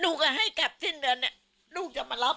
ลูกอ่ะให้กลับที่เดือนนี้ลูกจะมารับ